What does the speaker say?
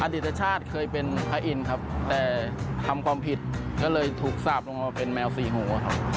ดิตชาติเคยเป็นพระอินทร์ครับแต่ทำความผิดก็เลยถูกสาปลงมาเป็นแมวสี่หูครับ